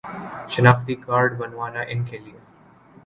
شناختی کارڈ بنوانا ان کے لیے